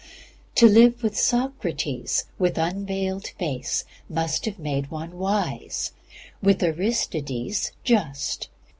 To live with Socrates with unveiled face must have made one wise; with Aristides, just.